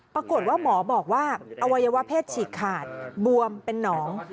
ปรากฏว่าหมอบอกว่าอวัยวะเพศฉีกขาดบวมเป็นหนอง